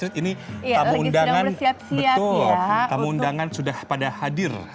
asrit ini tamu undangan sudah pada hadir